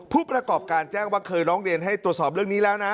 ผู้ประกอบการแจ้งว่าเคยร้องเรียนให้ตรวจสอบเรื่องนี้แล้วนะ